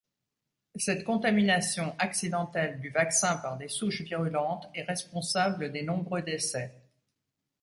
Cette contamination, accidentelle, du vaccin par des souches virulentes est responsable des nombreux décès.